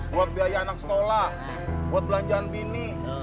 buat biaya anak sekolah buat belanjaan mini